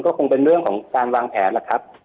ก็คงเป็นเรื่องของการวางแผนล่ะครับ